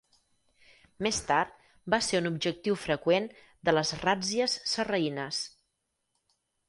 Més tard, va ser un objectiu freqüent de les ràtzies sarraïnes.